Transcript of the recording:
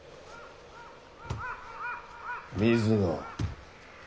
水野。